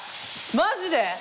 マジで！？